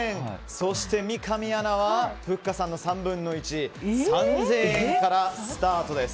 そして、三上アナはふっかさんの３分の１３０００円からスタートです。